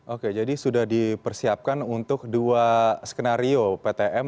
oke jadi sudah dipersiapkan untuk dua skenario ptm